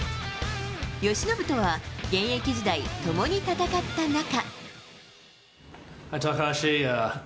由伸とは現役時代、共に戦った中。